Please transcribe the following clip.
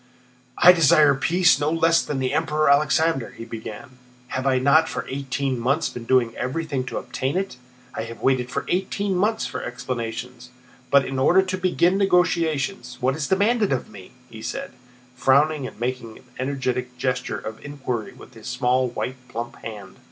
"I desire peace, no less than the Emperor Alexander," he began. "Have I not for eighteen months been doing everything to obtain it? I have waited eighteen months for explanations. But in order to begin negotiations, what is demanded of me?" he said, frowning and making an energetic gesture of inquiry with his small white plump hand.